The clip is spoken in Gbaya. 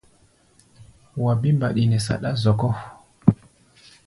Wa bí mbaɗi nɛ saɗá zɔkɔ́.